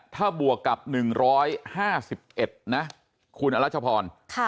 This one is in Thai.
ถ้าบวกกับหนึ่งร้อยห้าสิบเอ็ดนะคุณอรัชพรค่ะ